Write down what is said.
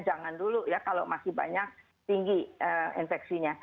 jangan dulu ya kalau masih banyak tinggi infeksinya